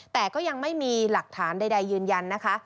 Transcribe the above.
แต่ก็ยังไม่มีหลักฐานใดยืนยันนะคะ